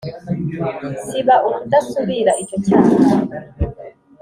siba ubudasubira icyo cyaha